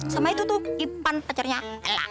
sama itu tuh ipan pacarnya ella